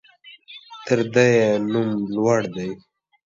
تر ده يې نوم لوړ دى.